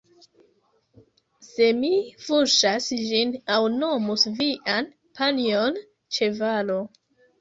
Se mi fuŝas ĝin aŭ nomus vian panjon ĉevalo